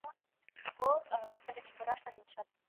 په راتلونکي کي به د تقاضا بڼه بشپړه بدله سي.